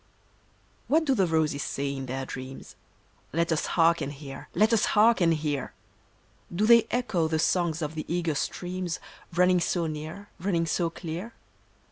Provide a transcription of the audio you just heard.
HAT do the roses say in their dreams ? Let us hark and hear ! Let us hark and hear ! Do they echo the songs of the eager streams, Running so near, running so clear